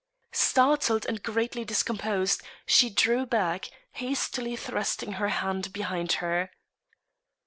Startled and greatly discomposed, she drew back, hastily thrusting her hand behind her.